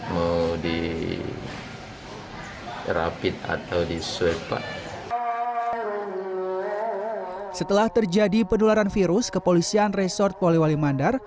mau di rapit atau disuai pak setelah terjadi penularan virus kepolisian resort poliwalimandar